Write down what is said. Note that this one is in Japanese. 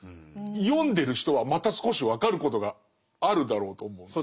読んでる人はまた少し分かることがあるだろうと思うんです。